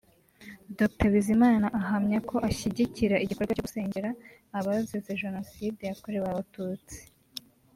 Dr Bizimana ahamya ko ashyigikira igikorwa cyo gusengera abazize Jenoside yakorewe abatutsi